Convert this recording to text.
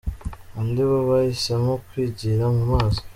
Andi bo bahisemo kwigira mu mazi.